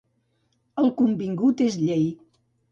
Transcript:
El convingut és llei.